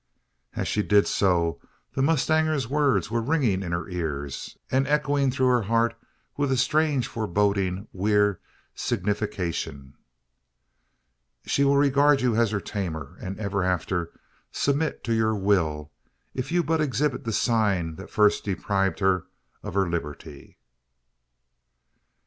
As she did so, the mustanger's words were ringing in her ears, and echoing through her heart with a strange foreboding weird signification. "_She will regard you as her tamer; and ever after submit to your will, if you but exhibit the sign that first deprived her of her liberty_."